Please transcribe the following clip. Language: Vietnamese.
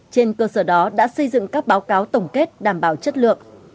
trên cơ sở đó đã xây dựng các báo cáo tổng kết đảm bảo chất lượng